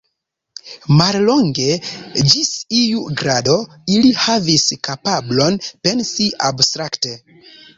Mallonge, ĝis iu grado ili havis kapablon pensi abstrakte.